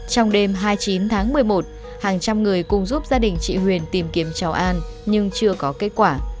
trong đêm hai mươi chín tháng một mươi một hàng trăm người cùng giúp gia đình chị huyền tìm kiếm cháu an nhưng chưa có kết quả